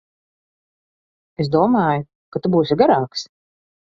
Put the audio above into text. Es domāju, ka tu būsi garāks.